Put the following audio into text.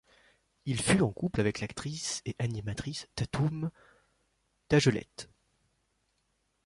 Il fut en couple avec l'actrice et animatrice Tatum Dagelet.